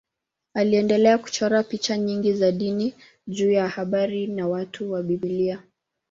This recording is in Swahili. Aliendelea kuchora picha nyingi za dini juu ya habari na watu wa Biblia.